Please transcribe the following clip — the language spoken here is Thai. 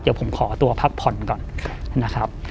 เดี๋ยวผมขอตัวพักผ่อนก่อนนะครับ